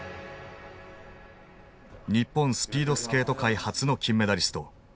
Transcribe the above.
日本スピードスケート界初の金メダリスト